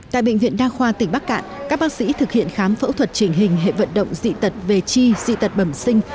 tại bệnh viện đa khoa tỉnh bắc cạn các bác sĩ thực hiện khám phẫu thuật trình hình hệ vận động dị tật về chi dị tật bẩm sinh